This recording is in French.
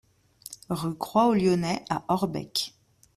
Rue Croix aux Lyonnais à Orbec